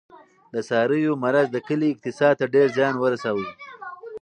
د څارویو مرض د کلي اقتصاد ته ډېر زیان ورساوه.